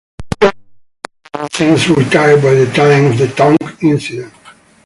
Kelba was long since retired by the time of the tongue incident.